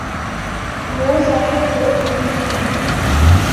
وہ ظاہر ہو چکی ہیں۔